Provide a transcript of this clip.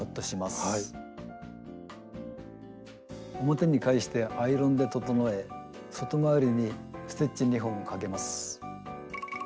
表に返してアイロンで整え外回りにステッチ２本かけます。